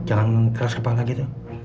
jangan keras kepala gitu